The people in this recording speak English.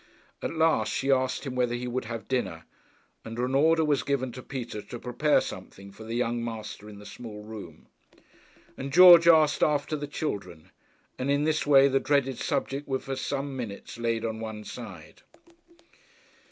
At last she asked him whether he would have dinner, and an order was given to Peter to prepare something for the young master in the small room. And George asked after the children, and in this way the dreaded subject was for some minutes laid on one side.